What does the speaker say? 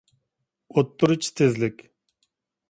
ئوتتۇرىچە تېزلىك